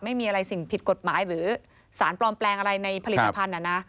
ไม่มีอะไรสิ่งผิดกฎหมายหรือสารปลอมแปลงอะไรในผลิตภัณฑ์